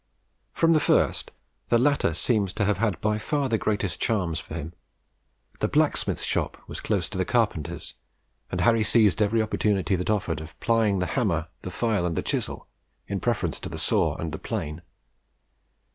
From the first, the latter seems to have had by far the greatest charms for him. The blacksmiths' shop was close to the carpenters', and Harry seized every opportunity that offered of plying the hammer, the file, and the chisel, in preference to the saw and the plane.